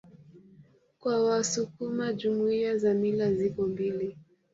Kwa wasukuma Jumuiya za mila zipo mbili